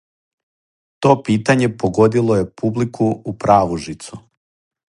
То питање погодило је публику у праву жицу.